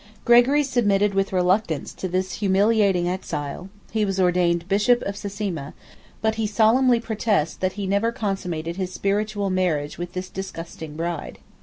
Gregory submitted with reluctance to this humiliating exile; he was ordained bishop of Sasima; but he solemnly protests, that he never consummated his spiritual marriage with this disgusting bride.